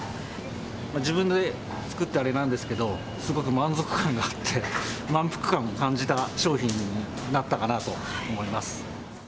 自分で作ってあれなんですけど、すごく満足感があって、満腹感も感じた商品になったかなと思います。